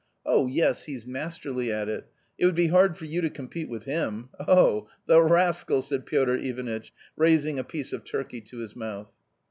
Oh yes ! he's masterly at it ; it would be hard for you to compete with him. Oh, the rascal !" said Piotr Ivanitch, raising a piece of turkey to his mouth.